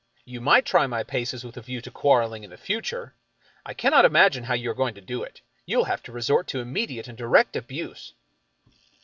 You might try my paces with a view to quarreling in the future. I cannot imagine how you are going to do it. You will have to resort to immediate and direct abuse."